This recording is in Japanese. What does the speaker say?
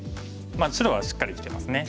白はしっかり生きてますね。